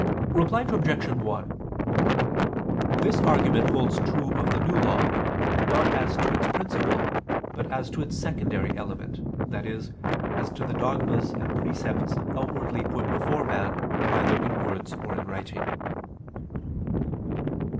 Reply Obj. 1: This argument holds true of the New Law, not as to its principal, but as to its secondary element: i.e. as to the dogmas and precepts outwardly put before man either in words or in writing.